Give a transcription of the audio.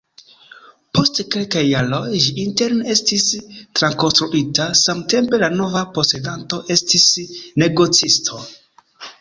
Post kelkaj jaroj ĝi interne estis trakonstruita, samtempe la nova posedanto estis negocisto.